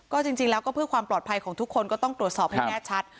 ก็จริงแล้วก็เพื่อความปลอดภัยของทุกคนก็ต้องตรวจสอบให้แน่ชัด